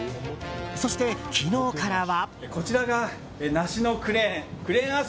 そして昨日からは。